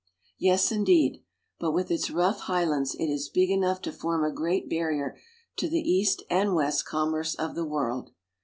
Yes, indeed ; but, with its rough highlands, it is big enough to form a great barrier to the east and west com merce of the world.